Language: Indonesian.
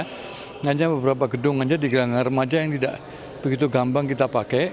hanya beberapa gedung saja di gelanggarma saja yang tidak begitu gampang kita pakai